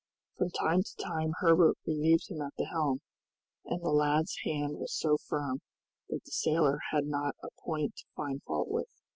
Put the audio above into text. From time to time Herbert relieved him at the helm, and the lad's hand was so firm that the sailor had not a point to find fault with.